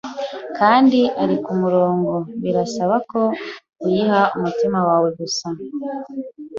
kandi ari ku murongo, birasaba ko uyiha umutima wawe gusa